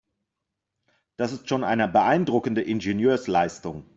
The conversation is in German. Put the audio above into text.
Das ist schon eine beeindruckende Ingenieursleistung.